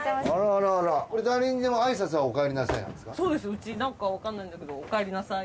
うちなんかわかんないんだけどおかえりなさい。